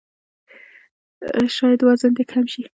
شاید وزن دې کم شي!